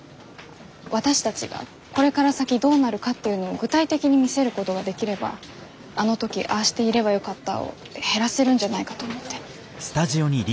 私たちがこれから先どうなるかっていうのを具体的に見せることができればあの時ああしていればよかったを減らせるんじゃないかと思って。